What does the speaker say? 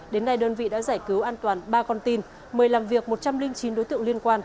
đến nay đơn vị đã giải cứu an toàn ba con tin mời làm việc một trăm linh chín đối tượng liên quan